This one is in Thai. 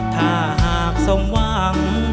ถ้าหากสมหวัง